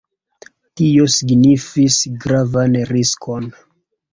Tio signifis gravan riskon.